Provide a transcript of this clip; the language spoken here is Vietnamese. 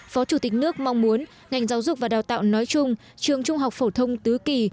phó chủ tịch nước mong muốn ngành giáo dục và đào tạo nói chung trường trung học phổ thông tứ kỳ